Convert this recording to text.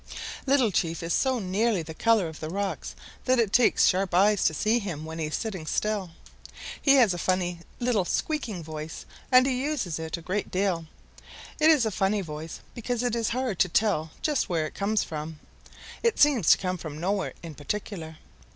"Little Chief is so nearly the color of the rocks that it takes sharp eyes to see him when he is sitting still. He has a funny little squeaking voice, and he uses it a great deal. It is a funny voice because it is hard to tell just where it comes from. It seems to come from nowhere in particular.